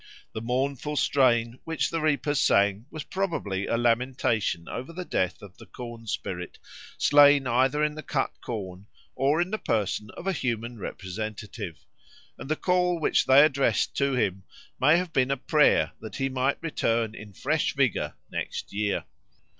The mournful strain which the reapers sang was probably a lamentation over the death of the corn spirit, slain either in the cut corn or in the person of a human representative; and the call which they addressed to him may have been a prayer that he might return in fresh vigour next year.